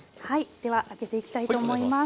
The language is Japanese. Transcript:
では開けていきたいと思います。